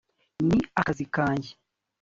ni akazi kanjye